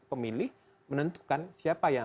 pemilih menentukan siapa yang